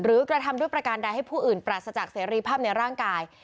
กระทำด้วยประการใดให้ผู้อื่นปราศจากเสรีภาพในร่างกาย